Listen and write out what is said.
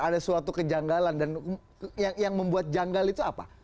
ada suatu kejanggalan dan yang membuat janggal itu apa